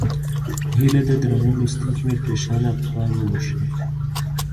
هیله ده درانه لوستونکي مې پرېشانه افکار وبښي.